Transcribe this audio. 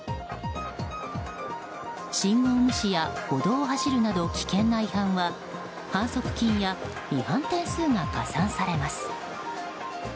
信号無視や歩道を走るなど危険な違反は反則金や違反点数が加算されます。